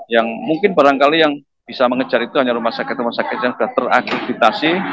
yang mungkin barangkali yang bisa mengejar itu hanya rumah sakit rumah sakit yang sudah terakreditasi